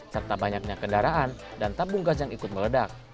serta banyaknya kendaraan dan tabung gas yang ikut meledak